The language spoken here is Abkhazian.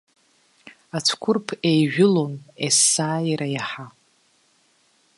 Ацәқәырԥ еижәылон есааира иаҳа.